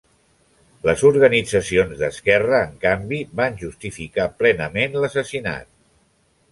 Les organitzacions d'esquerra, en canvi, van justificar plenament l'assassinat.